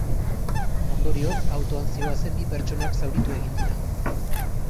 Ondorioz, autoan zihoazen bi pertsonak zauritu egin dira.